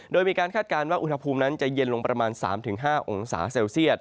โดยมีการคาดการณ์ว่าอุณหภูมินั้นจะเย็นลงประมาณ๓๕องศาเซลเซียต